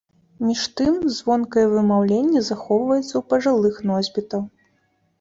Між тым, звонкае вымаўленне захоўваецца ў пажылых носьбітаў.